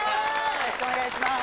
よろしくお願いします